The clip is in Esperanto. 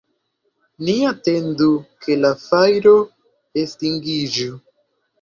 Ni atendu ke la fajro estingiĝu.